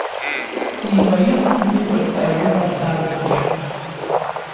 زیبایی او خودداری را سلب میکرد.